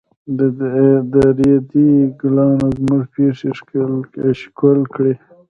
د ريدي ګلانو زموږ پښې ښکل کړې.